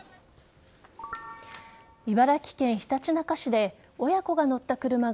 茨城県ひたちなか市で親子が乗った車が